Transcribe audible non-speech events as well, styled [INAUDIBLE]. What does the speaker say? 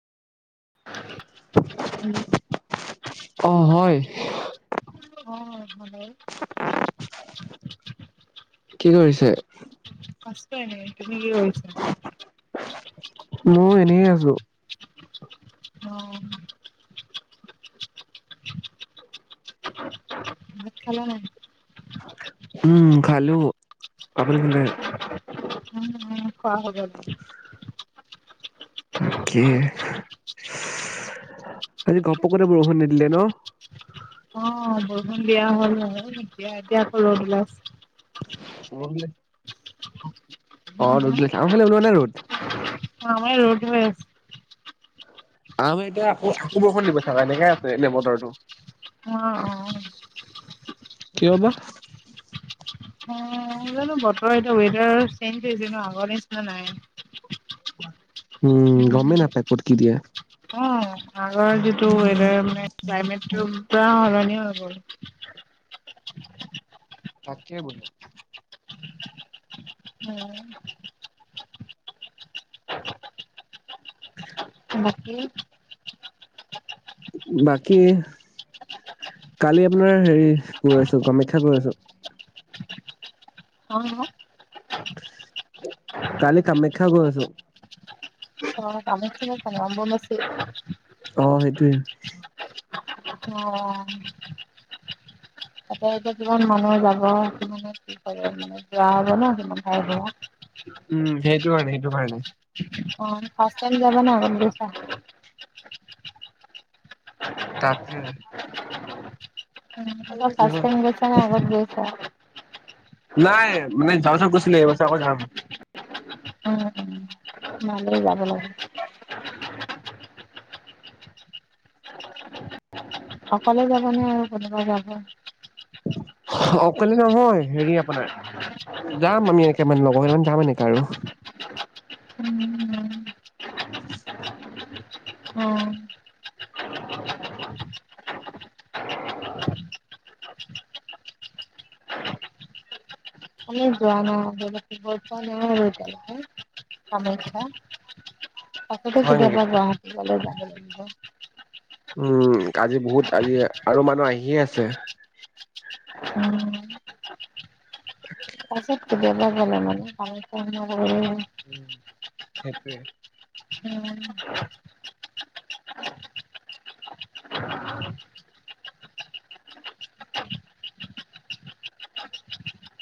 Hello অ হয় অ ভাল্ নে কি কৰিছে? আছো এনেই, তুমি কি কৰিছা? মই এনে আছো। অ ভাত খালা নাই? উম খালো আপুনি খালে? উম উ খোৱা হৈ গ'ল। তাকে, আজি ঘপহকৈ বৰষুণ দিদিলে ন? অ বৰষুণ দিয়া হ'ল, দিয়া এতিয়া আকৌ ৰ'দ ওলাইছে ৰ'দ দিলে হা অ ৰ'দ হা দিলে আমাৰ ফালে ওলোৱা নাই ৰ'দ অ আমাৰ ইয়াত ৰ'দ ওলাই আছে আম এতিয়া আকৌ আকৌ বৰষুণ দিব চাবা এনেকে আছে এনে বতৰটো অ অ কিয় বা অ জানো বতৰ এতিয়া ৱডাৰ চেঞ্জ জো আগৰ নিচিনা নাই। অ' অ 'আগৰ যিটো ৱেডাৰ মানে ক্লাইমেট তো পোৰা সলনি হৈ গল। তাকে বুলো উম, [INAUDIBLE] তাকে। বাকী কালি আপোনাৰ হেৰি কৈ আছো কামাখ্যা কৈ আছো অ', কালি কামাখ্যা গৈ আছো। অ ' কামাখ্যা অম্বুবাচী। অ' সেইটোৱেই, অ, তাতে এতিয়া যিমান মানুহ যাব সমানে কি কৰে মানে যোৱা হব ন সমান হয়। উম সেইটো কাৰণে সেইটো কাৰণে। অ ফাৰ্ট টাইম যাব না। তাকে। ফাৰ্ট টাইম গৈছে নে আগত গৈছা। নাই মানে যোৱাবছৰ গৈছিলে এইবছৰ আকৌ যাম। ভালে যাব লাগে অকলে যাব নে আৰু কোনোবাই যাব। অকলে নহয় হেৰি আপোনাৰ যাম আমি এনেকে মানে লগৰ কান যাম এনেকাে আৰু। উম উম আমি যোৱা ন যোৱা ৰ হা। আকৌ কেতিয়াবা হয় নেকি? গুৱাহাটীলে যাব লাগিব। [INAUDIBLE] উম আজি বহুত আজি আৰু মানুহ আহিয়ে আছে। উম, হয়। পাছততো বেয়া ব নাই মানে পানী উম, সেইটোৱে। উম,